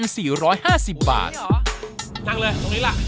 นี่เหรอนั่งเลยตรงนี้ล่ะ